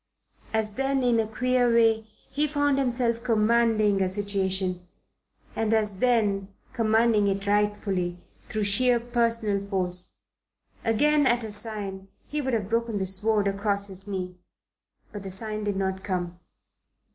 As then, in a queer way, he found himself commanding a situation; and as then, commanding it rightfully, through sheer personal force. Again, at a sign, he would have broken the sword across his knee. But the sign did not come.